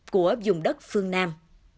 của dùng đất phương nam